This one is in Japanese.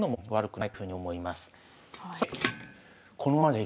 はい。